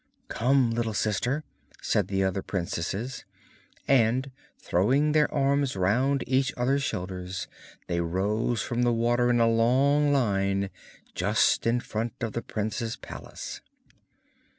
'Come, little sister!' said the other princesses, and, throwing their arms round each other's shoulders, they rose from the water in a long line, just in front of the prince's palace.